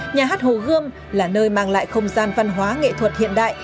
nhà hát hồ gươm là nơi mang lại không gian văn hóa nghệ thuật hiện đại